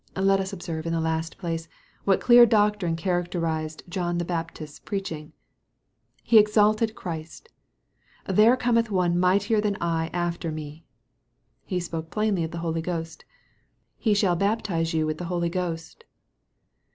Let us observe, in the last place, what dear doctrine characterized John the Baptists preaching. He exalted Christ :" There cometh one mightier than I after me." He spoke plainly of the Holy Ghost :" He shall baptize you with the Holy Ghost."